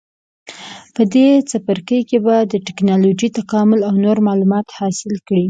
په دې څپرکي کې به د ټېکنالوجۍ تکامل او نور معلومات حاصل کړئ.